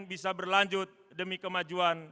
bisa berlanjut demi kemajuan